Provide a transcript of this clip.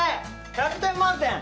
１００点満点。